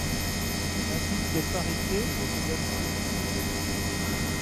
Un bit de parité est également utilisé.